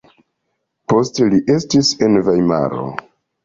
Poste li setlis en Vajmaro.